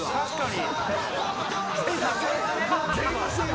確かに